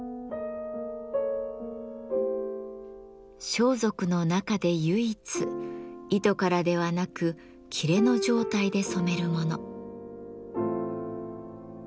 装束の中で唯一糸からではなく裂の状態で染めるもの。